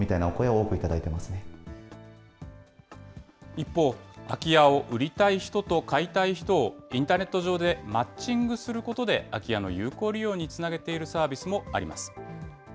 一方、空き家を売りたい人と買いたい人を、インターネット上でマッチングすることで、空き家の有効利用につなげているサービスもあります。